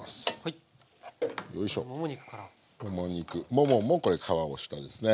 もももこれ皮を下ですね。